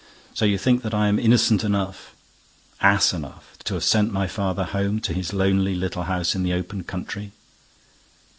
So you think that I am innocent enough, ass enough, to have sent my father home to his lonely little house in the open country!"